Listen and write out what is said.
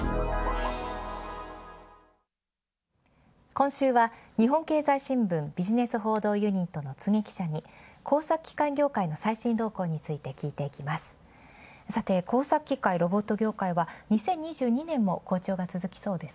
今週は日本経済新聞ビジネス報道ユニットの柘植記者に工作機械業界の聞いていきます。